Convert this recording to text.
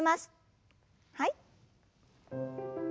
はい。